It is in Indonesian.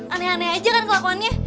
aneh aneh aja kan kelakuannya